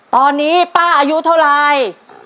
ตอนนี้ป้าอายุเท่าไร